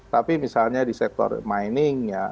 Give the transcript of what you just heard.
tapi misalnya di sektor mining ya